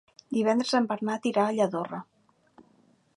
Divendres en Bernat irà a Lladorre.